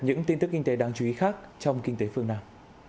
những tin tức kinh tế đáng chú ý khác trong kinh tế phương nam